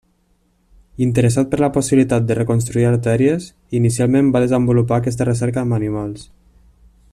Interessat per la possibilitat de reconstruir artèries, inicialment va desenvolupar aquesta recerca en animals.